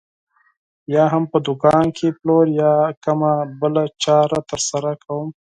یا هم په دوکان کې پلور یا کومه بله چاره ترسره کوم.